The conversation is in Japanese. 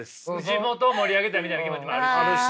地元を盛り上げたいみたいな気持ちもあるし。